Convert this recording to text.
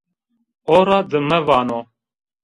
O ra dime vano